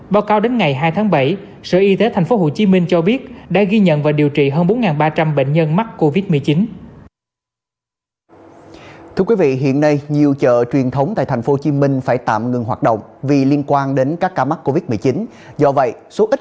báo cáo đến ngày hai tháng bảy sở y tế tp hcm cho biết đã ghi nhận và điều trị hơn bốn ba trăm linh bệnh nhân mắc covid một mươi chín